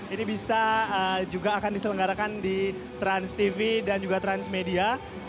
ini bisa juga akan diselenggarakan di transtv dan juga transmedia